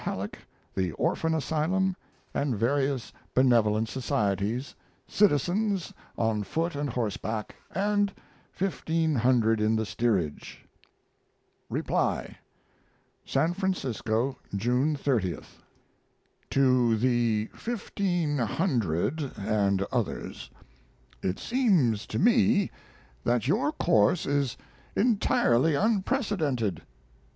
Halleck, The Orphan Asylum, and various Benevolent Societies, Citizens on Foot and Horseback, and 1500 in the Steerage. (REPLY) SAN FRANCISCO, June 30th TO THE 1,500 AND OTHERS, It seems to me that your course is entirely unprecedented.